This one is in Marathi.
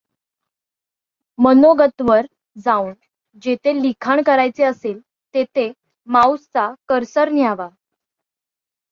मनोगतवर जाऊन जेथे लिखाण करायचे असेल तेथे माऊसचा कर्सर न्यावा.